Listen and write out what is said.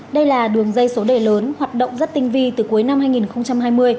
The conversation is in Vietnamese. đây là đường dây số đề lớn hoạt động rất tinh vi từ cuối năm hai nghìn hai mươi